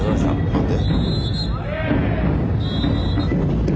何で？